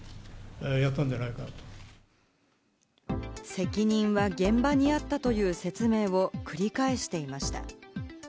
責任は現場にあったという説明を繰り返していました。